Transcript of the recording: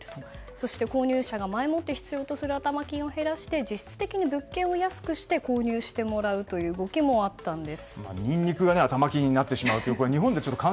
そして購入者が前もって必要とする頭金を減らして実質的に物件を安くして購入してもらうという動きもあったんです。